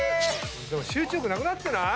集中力なくなってない？